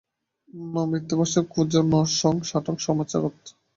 ন মিথ্যাভাষণং কুর্যাৎ ন চ শাঠ্যং সমাচরেৎ।